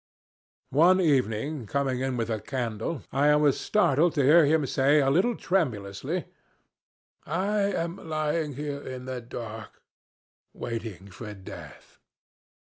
"One evening coming in with a candle I was startled to hear him say a little tremulously, 'I am lying here in the dark waiting for death.'